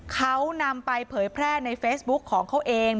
เขานำไปเผยแพร่ในเฟซบุ๊คของเขาเอง